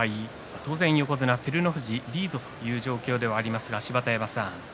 当然、横綱照ノ富士リードという状況ではありますが、芝田山さん